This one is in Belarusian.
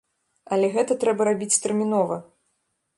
Але гэта трэба рабіць тэрмінова.